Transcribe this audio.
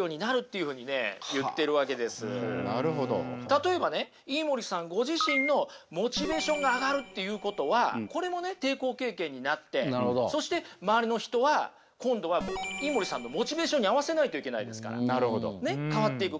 例えばね飯森さんご自身のモチベーションが上がるっていうことはこれもね抵抗経験になってそして周りの人は今度は飯森さんのモチベーションに合わせないといけないですから変わっていく。